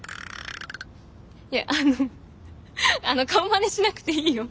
いやあの顔まねしなくていいよ。